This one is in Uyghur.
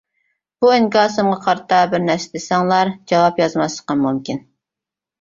بۇ ئىنكاسىمغا قارىتا بىر نەرسە دېسەڭلار جاۋاب يازماسلىقىم مۇمكىن.